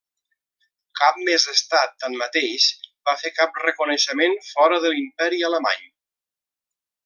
Cap més estat, tanmateix, va fer cap reconeixement fora de l'Imperi alemany.